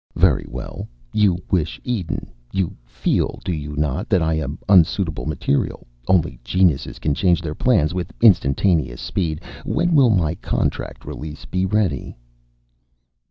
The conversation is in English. "Very well. You wish Eden. You feel do you not? that I am unsuitable material. Only geniuses can change their plans with instantaneous speed.... When will my contract release be ready?"